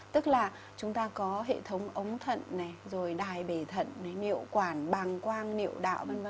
tức là chúng ta có hệ thống ống thận rồi đài bề thận niệu quản bàng quang niệu đạo v v